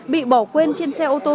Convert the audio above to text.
bị bỏ quên trên xe ô tô